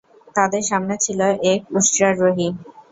তাদের সামনে ছিল এক উষ্ট্রারোহী।